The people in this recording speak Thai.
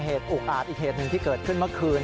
อุกอาจอีกเหตุหนึ่งที่เกิดขึ้นเมื่อคืน